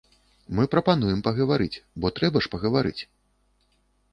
Мы прапануем пагаварыць, бо трэба ж пагаварыць?